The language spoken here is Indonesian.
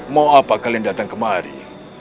mau apa kalian datang kemari